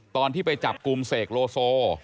ตอนที่ไปจับกลุ่มเสกโลโซ